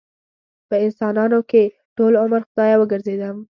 په انسانانو کې ټول عمر خدايه وګرځېدم